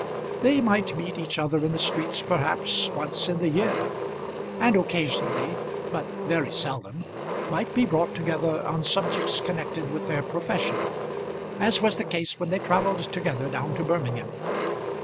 They might meet each other in the streets, perhaps, once in the year; and occasionally but very seldom might be brought together on subjects connected with their profession; as was the case when they travelled together down to Birmingham.